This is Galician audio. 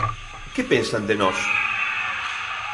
¿Que pensan de nós?